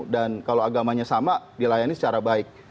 dan kalau agamanya sama dilayani secara baik